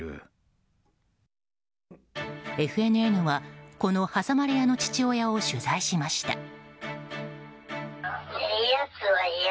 ＦＮＮは、この挟まれ屋の父親を取材しました。